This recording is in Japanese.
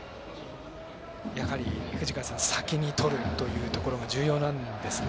やはり藤川さん、先に取るというところが重要なんですね。